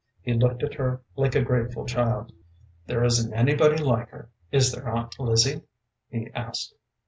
He looked at her like a grateful child. "There isn't anybody like her, is there, Aunt Lizzie?" he asked.